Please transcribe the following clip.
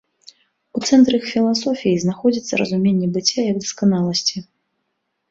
У цэнтры іх філасофіі знаходзіцца разуменне быцця як дасканаласці.